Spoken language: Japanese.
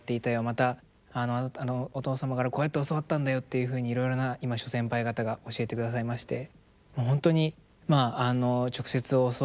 また「お父様からこうやって教わったんだよ」っていうふうにいろいろな今諸先輩方が教えてくださいまして。